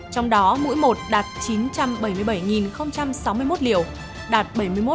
trong đó mũi một đạt chín trăm bảy mươi bảy sáu mươi một liều đạt bảy mươi một sáu